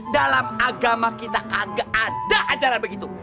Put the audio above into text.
dalam agama kita kagak ada ajaran begitu